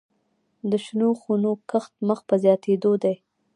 د شنو خونو کښت مخ په زیاتیدو دی